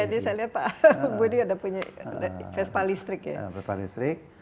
ini saya lihat pak budi ada punya pespa listrik